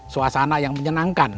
suasana yang menyenangkan